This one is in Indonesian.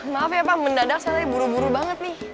maaf ya pak mendadak soalnya buru buru banget nih